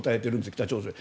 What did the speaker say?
北朝鮮は。